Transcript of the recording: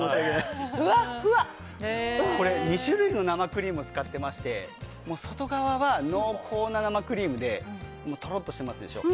２種類の生クリームを使っていまして外側は濃厚な生クリームでとろっとしてますでしょ。